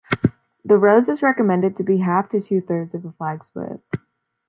The rose is recommended to be half to two-thirds of the flag's width.